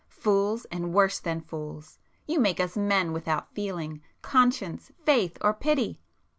Fools, and worse than fools,—you make us men without feeling, conscience, faith, or pity!